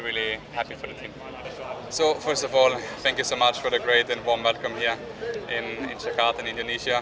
pertama sekali terima kasih banyak banyak untuk kesempatan yang bagus di jakarta dan indonesia